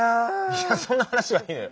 いやそんなはなしはいいのよ。